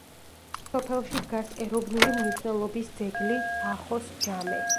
სოფელში დგას ეროვნული მნიშვნელობის ძეგლი ახოს ჯამე.